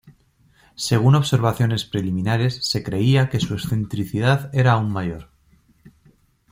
Según observaciones preliminares se creía que su excentricidad era aún mayor.